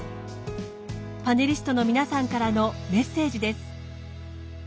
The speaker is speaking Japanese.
パネリストの皆さんからのメッセージです。